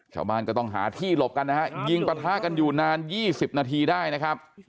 ชาวบ้านก็ต้องหาที่หลบกันนะฮะยิงปะทะกันอยู่นาน๒๐นาทีได้นะครับ